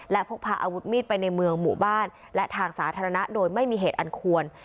และพกพาอาวุธมีดไปในเมืองหมู่บ้านและทางสาธารณะโดยไม่มีเหตุอันควร